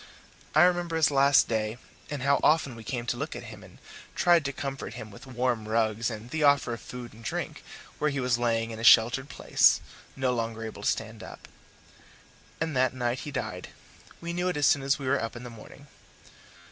I remember his last day, and how often we came to look at him and tried to comfort him with warm rugs and the offer of food and drink where he was lying in a sheltered place, no longer able to stand up. And that night he died: we knew it as soon as we were up in the morning.